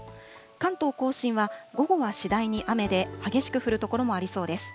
関東甲信は午後は次第に雨で、激しく降る所もありそうです。